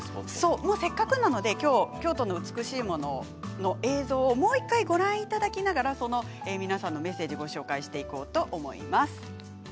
せっかくなので京都の美しいもの、映像をもう１回、ご覧いただきながら皆さんのメッセージをご紹介していこうと思います。